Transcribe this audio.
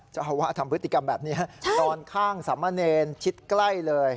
เจ้าอาวาสทำพฤติกรรมแบบนี้ฮะนอนข้างสามเณรชิดใกล้เลย